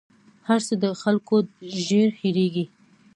هر څه د خلکو ژر هېرېـږي